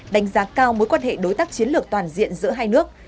đánh giá cao mối quan hệ đối tác chiến lược toàn diện giữa hai nước